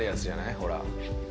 ほら。